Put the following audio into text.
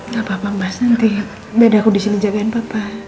nggak apa apa mas nanti beda aku di sini jagain papa